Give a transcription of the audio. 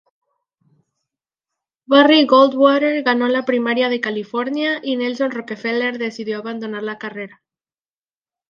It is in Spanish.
Barry Goldwater ganó la primaria de California y Nelson Rockefeller decidió abandonar la carrera.